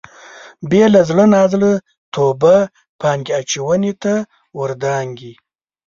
بې له زړه نازړه توبه پانګې اچونې ته ور دانګي.